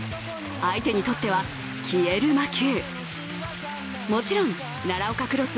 相手にとっては消える魔球。